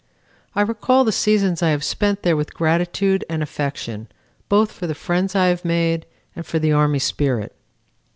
I recall the seasons I have spent there with gratitude and affection, both for the friends I have made and for the Army spirit."